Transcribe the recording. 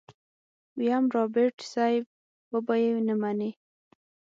ويم رابرټ صيب وبه يې نه منې.